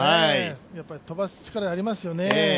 飛ばす力ありますよね。